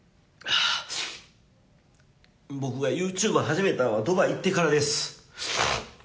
僕がユーチューブ始めたのはドバイ行ってからです。